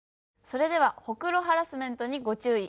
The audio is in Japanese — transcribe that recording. それでは「ホクロハラスメントにご注意！」